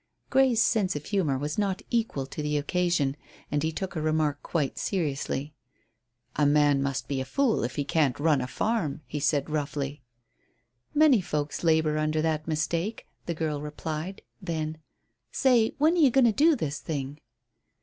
Grey's sense of humour was not equal to the occasion, and he took her remark quite seriously. "A man must be a fool if he can't run a farm," he said roughly. "Many folks labour under that mistake," the girl replied. Then: "Say, when are you going to do this thing?"